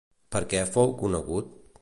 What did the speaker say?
Per què fou conegut?